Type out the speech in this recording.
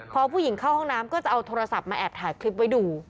พอผู้หญิงเข้าห้องน้ำก็จะเอาโทรศัพท์มาแอบถ่ายคลิปไว้ดู